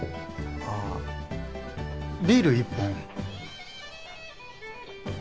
あっビール１本。